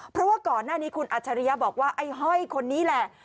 เพราะว่าก่อนหน้านี้คุณอัจฉริยะบอกว่าไอ้ห้อยคนนี้แหละ